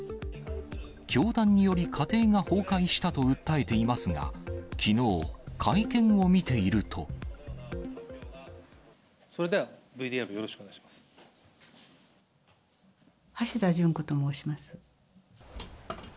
教団により家庭が崩壊したと訴えていますが、きのう、会見を見てそれでは、ＶＴＲよろしくお橋田淳子と申します。